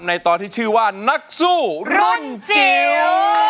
ตอนที่ชื่อว่านักสู้รุ่นจิ๋ว